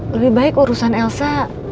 lebih baik urusan elsa